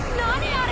あれ！